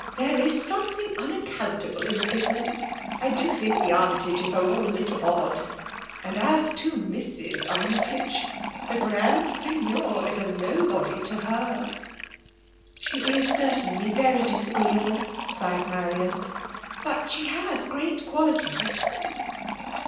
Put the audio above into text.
There is something unaccountable in the business !— I do think the Army tagcs are all a little odd ; and as to Mrs. Armytage, the grand Seignior is a nobody to her !" She is certainly very disagreeable/' sighed Marian ;—*' but she has great qualities."